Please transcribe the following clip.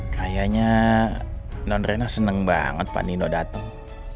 kayaknya nondrena seneng banget pak nino datang